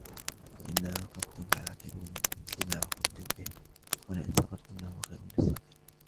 وَإِنْ عَاقَبْتُمْ فَعَاقِبُوا بِمِثْلِ مَا عُوقِبْتُمْ بِهِ وَلَئِنْ صَبَرْتُمْ لَهُوَ خَيْرٌ لِلصَّابِرِينَ